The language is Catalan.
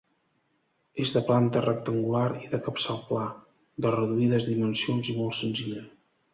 És de planta rectangular i de capçal pla, de reduïdes dimensions i molt senzilla.